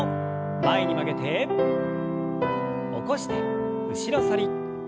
前に曲げて起こして後ろ反り。